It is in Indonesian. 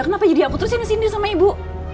kenapa jadi aku terus ini sini sama ibu